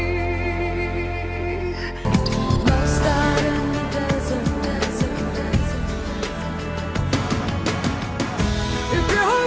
dia tidak terlihat atau terdengar seperti orang lain